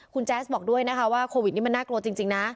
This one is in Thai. คุณแจ๊สบอกด้วยนะคะว่าโควิดนี่มันน่ากลัวจริงนะ